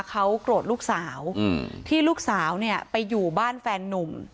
เขาโกรธลูกสาวที่ลูกสาวเนี่ยไปอยู่บ้านแฟนนุ่ม